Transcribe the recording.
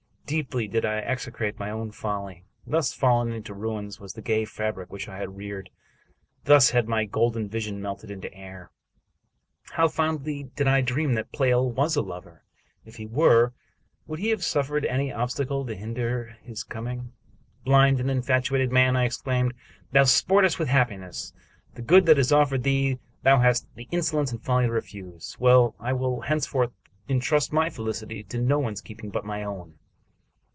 Deeply did I execrate my own folly. Thus fallen into ruins was the gay fabric which I had reared ! Thus had my golden vision melted into air! How fondly did I dream that Pleyel was a lover ! If he were, would he have suffered any obstacle to hinder his com ing? "Blind and infatuated man!" I exclaimed. "Thou sportest with happiness. The good that is offered thee thou hast the insolence and folly to refuse. Well, I will hence forth intrust my felicity to no one's keeping but my own."